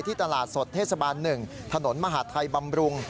ตลาดสดเทศบาล๑ถนนมหาดไทยบำรุง